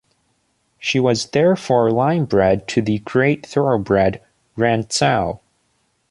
She was therefore linebred to the great Thoroughbred Rantzau.